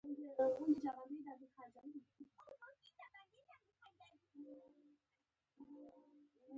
سپېڅلې کړۍ داسې قوت رامنځته کړی و.